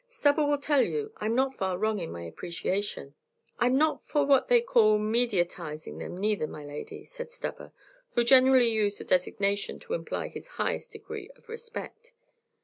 "Stubber will tell you I'm not far wrong in my appreciation." "I 'm not for what they call 'mediatizing' them neither, my Lady," said Stubber, who generally used the designation to imply his highest degree of respect.